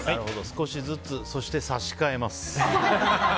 少しずつ、そして差し替えます。